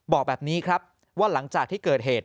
บอกแบบนี้ครับว่าหลังจากที่เกิดเหตุ